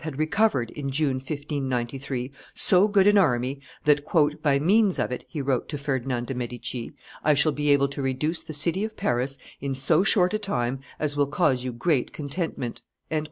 had recovered, in June, 1593, so good an army that "by means of it," he wrote to Ferdinand de' Medici, "I shall be able to reduce the city of Paris in so short a time as will cause you great contentment."